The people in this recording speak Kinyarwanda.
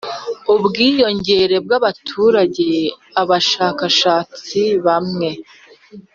Ubwiyongere bw abaturage abashakashatsi bamwe